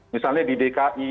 misalnya di dki